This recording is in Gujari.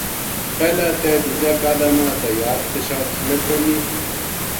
پہلا تے دوجا قعدہ ما التحیات تشہد سمیت پڑھنی۔